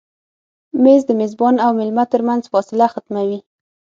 مېز د میزبان او مېلمه تر منځ فاصله ختموي.